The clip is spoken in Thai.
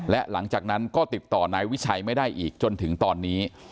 และหลังจากนั้นก็ติดต่อนายวิชัยไม่ได้อีกจนถึงตอนนี้